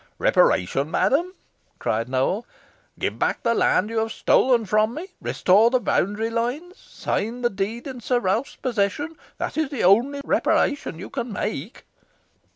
"Reparation, madam!" cried Nowell. "Give back the land you have stolen from me restore the boundary lines sign the deed in Sir Ralph's possession that is the only reparation you can make."